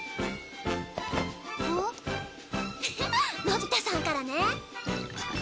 のび太さんからね。